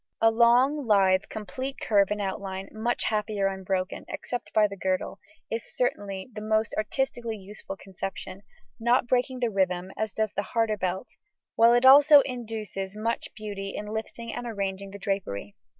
A long, lithe, complete curve in outline much happier unbroken, except by the girdle is certainly the most artistically useful conception, not breaking the rhythm (as does the harder belt), while it also induces much beauty in lifting and arranging the drapery.